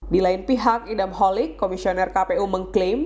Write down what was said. di lain pihak idam holik komisioner kpu mengklaim